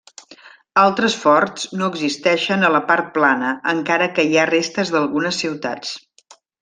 Altres forts no existeixen a la part plana encara que hi ha restes d'algunes ciutats.